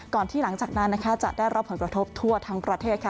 ที่หลังจากนั้นจะได้รับผลกระทบทั่วทั้งประเทศค่ะ